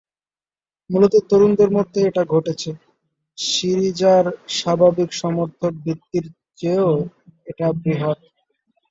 মূলত তরুণদের মধ্যে এটা ঘটেছে, সিরিজার স্বাভাবিক সমর্থক ভিত্তির চেয়েও এটা বৃহৎ।